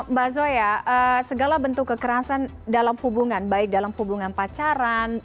mbak zoya segala bentuk kekerasan dalam hubungan baik dalam hubungan pacaran